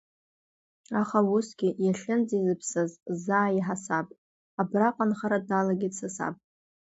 Аха усгьы, иахьынӡеизаԥсаз заа иҳасаб, абраҟа анхара далагеит са саб.